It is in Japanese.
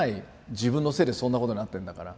自分のせいでそんなことになってんだから。